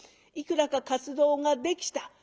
いくらか活動ができた。